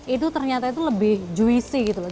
itu ternyata itu lebih juicy gitu loh